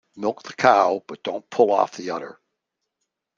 Milk the cow but don't pull off the udder.